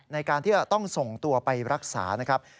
ในการที่จะต้องส่งตัวไปรักษานะครับ